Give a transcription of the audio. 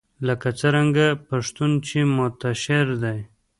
لکه څرنګه پښتون چې منتشر دی